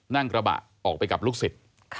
นั่งกระบะออกไปกับลูกศิษย์